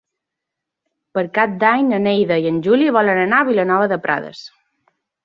Per Cap d'Any na Neida i en Juli volen anar a Vilanova de Prades.